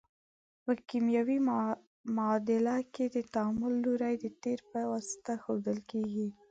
په کیمیاوي معادله کې د تعامل لوری د تیر په واسطه ښودل کیږي.